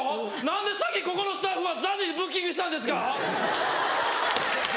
何で先ここのスタッフはＺＡＺＹブッキングしたんですか⁉